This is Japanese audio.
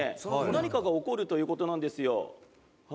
何かが起こるという事なんですよ。